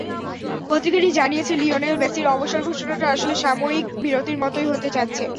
পত্রিকাটি জানিয়েছে, লিওনেল মেসির অবসর ঘোষণাটা আসলে সাময়িক বিরতির মতোই হতে যাচ্ছে।